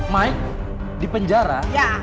mike di penjara